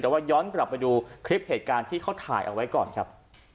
แต่ว่าย้อนกลับไปดูคลิปเหตุการณ์ที่เขาถ่ายเอาไว้ก่อนครับ